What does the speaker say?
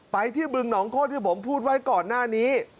ไปที่บึงหนองโคตรที่ผมพูดไว้ก่อนหน้านี้